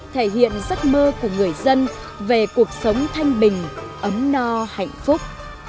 thể hiện giấc mơ của người dân về cuộc sống thanh bình ấm no hạnh phúc